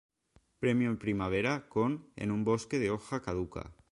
Premio Primavera con "En un bosque de hoja caduca".